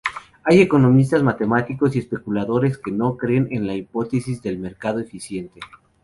Hay economistas, matemáticos y especuladores que no creen en la hipótesis del mercado eficiente.